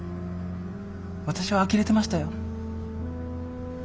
私はあきれてましたよ。